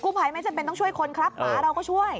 ภัยไม่จำเป็นต้องช่วยคนครับหมาเราก็ช่วย